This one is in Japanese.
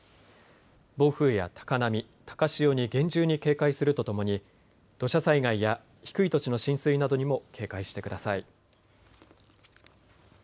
暴風や高波、高潮に厳重に警戒するとともに土砂災害や低い土地の浸水などにも警戒してください。